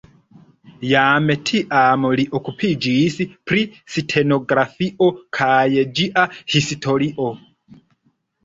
Jam tiam li okupiĝis pri stenografio kaj ĝia historio.